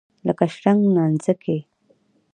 لکه شرنګ نانځکې.